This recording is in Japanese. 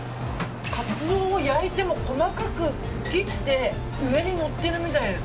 カツオを焼いて、細かく切って上にのってるみたいです。